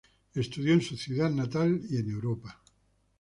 Estudió en su ciudad natal y en Europa.